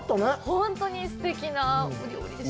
本当にすてきなお料理でした。